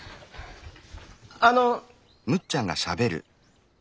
あの。